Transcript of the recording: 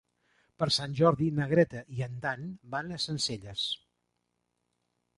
Per Sant Jordi na Greta i en Dan van a Sencelles.